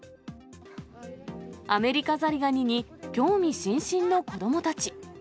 アメリカザリガニに興味津々の子どもたち。